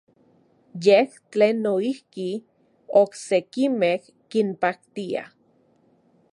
Yej tlen noijki oksekimej kinpaktia.